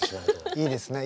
いいですね。